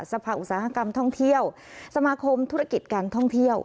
สภาอุตสาหกรรมท่องเที่ยวสมาคมธุรกิจการท่องเที่ยว